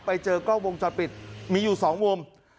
ไปเจอกล้องวงจอดปิดมีอยู่๒วง